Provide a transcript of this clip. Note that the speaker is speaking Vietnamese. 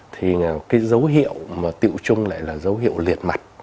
thì cái dấu hiệu mà tiệu chung lại là dấu hiệu liệt mặt